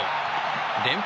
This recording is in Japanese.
連敗